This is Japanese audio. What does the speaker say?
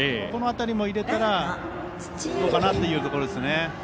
この辺りも入れたらどうかなというところですね。